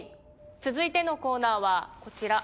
続いてのコーナーはこちら。